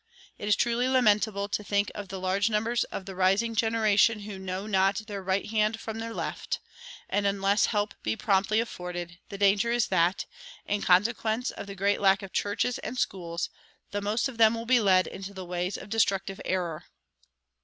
It is truly lamentable to think of the large numbers of the rising generation who know not their right hand from their left; and, unless help be promptly afforded, the danger is great that, in consequence of the great lack of churches and schools, the most of them will be led into the ways of destructive error."